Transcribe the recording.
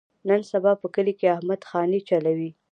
نن سبا په کلي کې احمد خاني چولي.